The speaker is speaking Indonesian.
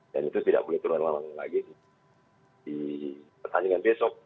dan itu tidak boleh turun lama lagi di pertandingan besok